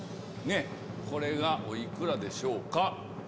これがお幾らでしょうか？